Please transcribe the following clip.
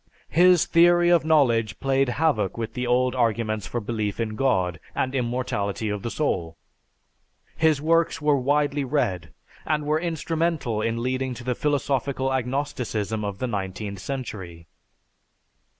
His theory of knowledge played havoc with the old arguments for belief in God and immortality of the soul. His works were widely read and were instrumental in leading to the philosophical agnosticism of the nineteenth century.